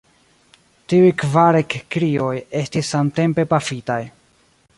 Tiuj kvar ekkrioj estis samtempe pafitaj.